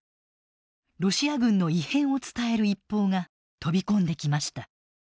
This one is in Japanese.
ロシア軍の異変を伝える一報が飛び込んできました。